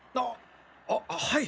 ああはい！